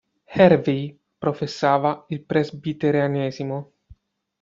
Hervey professava il presbiterianesimo.